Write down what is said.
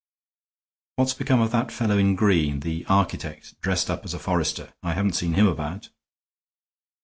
What's become of that fellow in green the architect dressed up as a forester? I haven't seem him about."